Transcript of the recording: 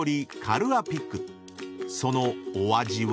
［そのお味は？］